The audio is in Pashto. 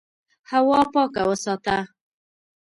هوا پاکه وساته.